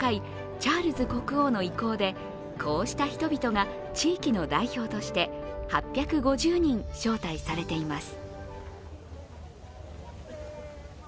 チャールズ国王の意向でこうした人々が地域の代表として８５０人招待されています。